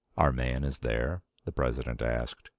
"Our man is there?" the President asked.